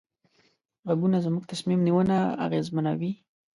غږونه زموږ تصمیم نیونه اغېزمنوي.